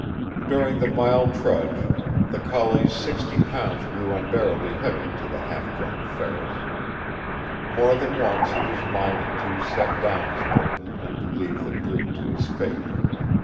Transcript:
During the mile trudge the collie's sixty pounds grew unbearably heavy, to the half drunk Ferris. More than once he was minded to set down his burden and leave the brute to his fate.